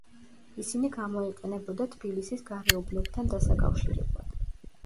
ისინი გამოიყენებოდა თბილისის გარეუბნებთან დასაკავშირებლად.